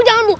ya bang bu